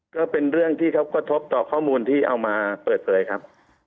ก็เป็นเรื่องที่เขากระทบต่อข้อมูลที่เอามาเปิดเผยครับ